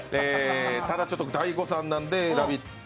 ただ、大誤算なんで「ラヴィット！」